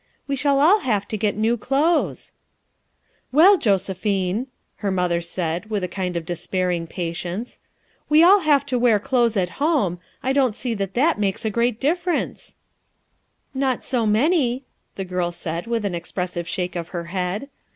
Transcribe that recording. "We shall all have to get new clothes/' "Well, Josephine," her mother said with a kind of despairing patience, "we all have to wear clothes at home; I don't see that that makes a great difference," "Not so many," the girl said with an expres sive shake of her head.